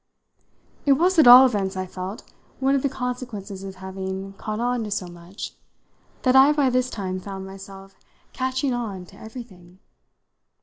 It was at all events, I felt, one of the consequences of having caught on to so much that I by this time found myself catching on to everything.